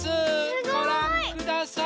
ごらんください。